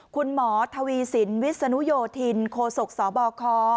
คุณหมอทวีสินวิศนุโยธินโคศกสบค